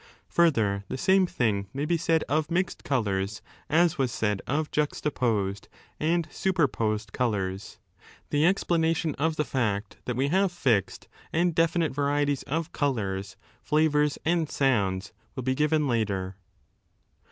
Further, the same thing may be said of mixed colours as was said of juxtaposed and superposed colours. The explanation of the fact that we have fixed and definite varieties of colours, flavours, and sounds will be given later.